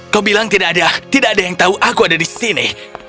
kau bilang tidak ada tidak ada yang tahu aku ada di sini